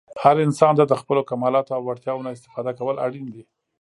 هر انسان ته د خپلو کمالاتو او وړتیاوو نه استفاده کول اړین دي.